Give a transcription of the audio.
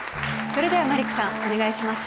それではマリックさんお願いします。